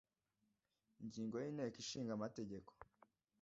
Ingingo y Inteko Ishinga Amategeko